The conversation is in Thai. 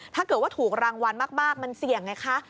ถ้าเกิดว่าถูกรางวัลมากมันเสี่ยงไงคะ